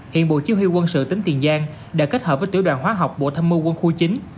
hiện bộ chiêu huy quân sự tỉnh tiền giang đã kết hợp với tiểu đoàn hóa học bộ thâm mưu quân khu chín